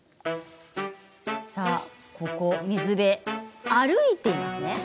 ここは水辺、歩いていますね。